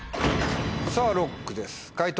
さぁＬＯＣＫです解答